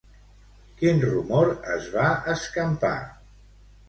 Quin rumor es va escampar?